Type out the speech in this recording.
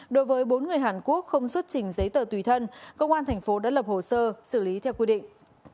đối với bốn người hàn quốc không xuất trình giấy tờ tùy thân công an thành phố đã lập hồ sơ xử lý theo quy định